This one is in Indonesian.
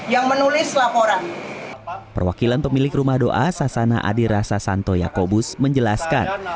yang menulis laporan perwakilan pemilik rumah doa sasana adhira sasanto yakobus menjelaskan